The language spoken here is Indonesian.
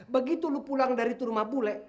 begitu lu pulang dari turma bule